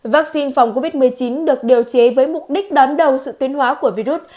vaccine phòng covid một mươi chín được điều chế với mục đích đón đầu sự tuyên hóa của virus